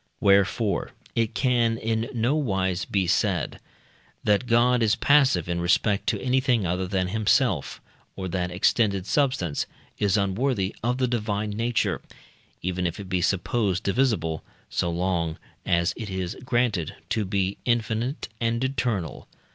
Wherefore it can in nowise be said, that God is passive in respect to anything other than himself, or that extended substance is unworthy of the Divine nature, even if it be supposed divisible, so long as it is granted to be infinite and eternal.